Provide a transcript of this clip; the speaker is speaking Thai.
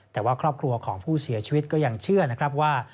แต่ว่าครอบครัวของผู้เสียชีวิตก็ยังเชื่อนะครับว่า